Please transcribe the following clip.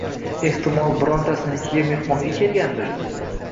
Ehtimol, birortasinikiga mehmonga kelgandir…